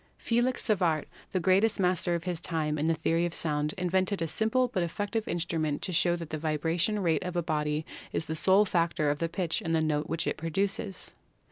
Felix Savart, the greatest master of his time in the theory of sound, invented a simple but effective instrument to show that the vibration rate of a body is the sole factor in the pitch of the note which it produces.